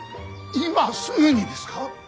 今すぐにですか。